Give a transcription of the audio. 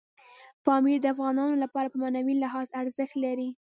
پامیر د افغانانو لپاره په معنوي لحاظ ارزښت لري.